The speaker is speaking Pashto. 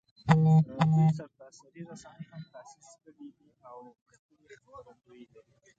دوی سرتاسري رسنۍ هم تاسیس کړي دي او غښتلي خپرندویې لري